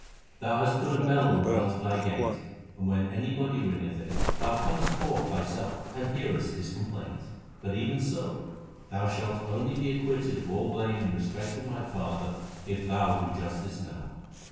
Thou hast put a bell in front of thy gate, and, when anybody ringeth it, thou comest forth thyself and hearest his complaint. But even so, thou shalt only be acquitted of all blame in respect of my father, if thou do justice now.